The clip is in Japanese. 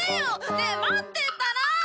ねえ待ってったら！